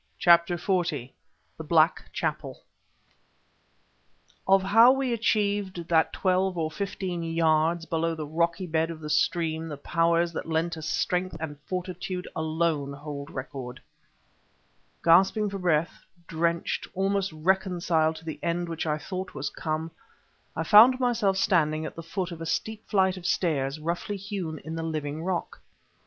CHAPTER XL THE BLACK CHAPEL Of how we achieved that twelve or fifteen yards below the rocky bed of the stream the Powers that lent us strength and fortitude alone hold record. Gasping for breath, drenched, almost reconciled to the end which I thought was come I found myself standing at the foot of a steep flight of stairs roughly hewn in the living rock.